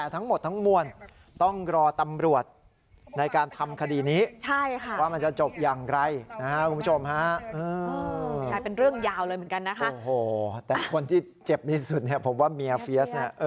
ใช่ใช่ใช่ใช่ใช่ใช่ใช่ใช่ใช่ใช่